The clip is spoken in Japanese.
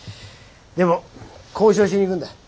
でも交渉しに行くんだ。